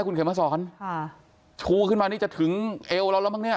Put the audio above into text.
คุณเข็มมาสอนค่ะชูขึ้นมานี่จะถึงเอวเราแล้วมั้งเนี่ย